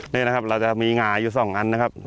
นี่นะครับเราจะมีหงาอยู่๒อันนะครับ